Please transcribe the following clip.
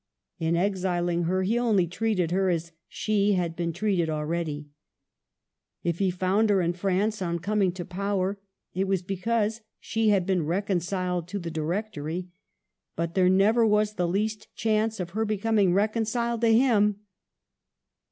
In exiling her he only treated her as she had been treated already. If he found her in France on coming to power, it was because she had been reconciled to the Directory ; but there never was the least chance of her becoming reconciled to him.